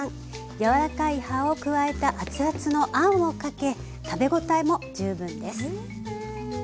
柔らかい葉を加えた熱々のあんをかけ食べ応えも十分です。